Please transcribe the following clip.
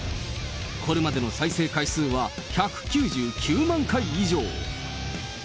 これまでの再生回数は１９９万回以上。